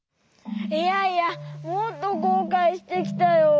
いやいやもっとこうかいしてきたよ。